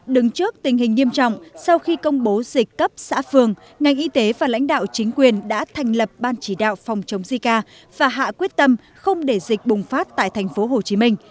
đứng trước tình hình nghiêm trọng sau khi công bố dịch cấp xã phường ngành y tế và lãnh đạo chính quyền đã thành lập ban chỉ đạo phòng chống zika và hạ quyết tâm không để dịch bùng phát tại tp hcm